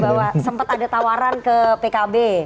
bahwa sempat ada tawaran ke pkb